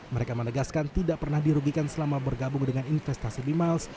mereka menegaskan tidak pernah dirugikan selama bergabung dengan investasi mimiles